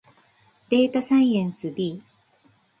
データサイエンス B